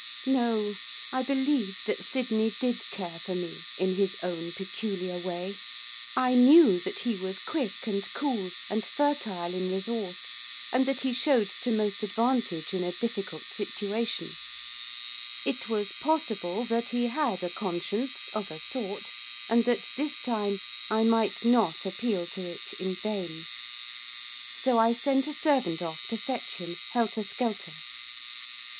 No! I believed that Sydney did care for me, in his own peculiar way; I knew that he was quick, and cool, and fertile in resource, and that he showed to most advantage in a difficult situation; it was possible that he had a conscience, of a sort, and that, this time, I might not appeal to it in vain. So I sent a servant off to fetch him, helter skelter.